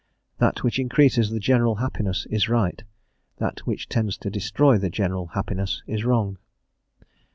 That which increases the general happiness is right; that which tends to destroy the general happiness is wrong.